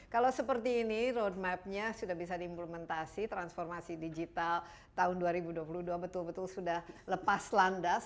kalau seperti ini roadmapnya sudah bisa diimplementasi transformasi digital tahun dua ribu dua puluh dua betul betul sudah lepas landas